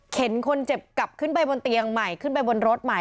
คนเจ็บกลับขึ้นไปบนเตียงใหม่ขึ้นไปบนรถใหม่